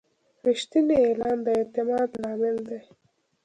رښتینی اعلان د اعتماد لامل دی.